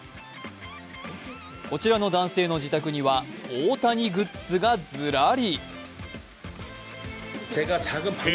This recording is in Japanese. こちらの男性の自宅には大谷グッズがずらり。